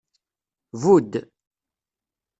Budd.